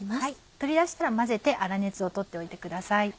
取り出したら混ぜて粗熱を取っておいてください。